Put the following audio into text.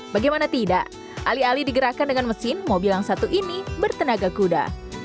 bagaimana tidak alih alih digerakkan dengan mesin mobil yang satu ini bertenaga kuda